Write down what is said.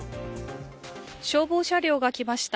消防車両が来ました。